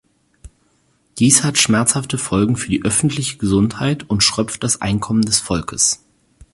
Dies hat schmerzhafte Folgen für die öffentliche Gesundheit und schröpft das Einkommen des Volkes.